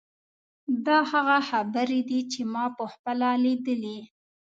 دا هغه خبرې دي چې ما په خپله لیدلې.